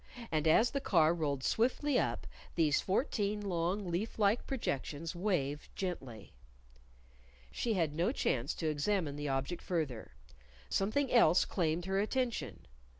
And as the car rolled swiftly up, these fourteen long leaf like projections waved gently. She had no chance to examine the object further. Something else claimed her attention.